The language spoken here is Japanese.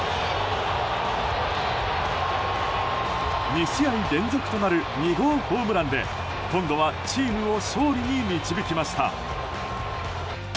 ２試合連続となる２号ホームランで今度はチームを勝利に導きました。